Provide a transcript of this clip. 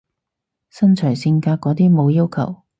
身材性格嗰啲冇要求？